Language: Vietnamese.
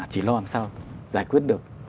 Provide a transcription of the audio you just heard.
chỉ lo làm sao giải quyết được